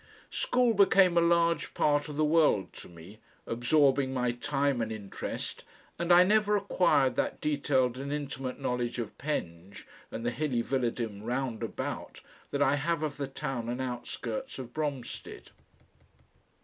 School became a large part of the world to me, absorbing my time and interest, and I never acquired that detailed and intimate knowledge of Penge and the hilly villadom round about, that I have of the town and outskirts of Bromstead.